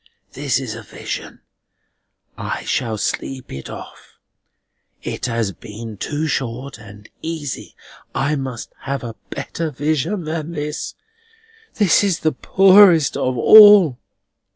This is a vision. I shall sleep it off. It has been too short and easy. I must have a better vision than this; this is the poorest of all.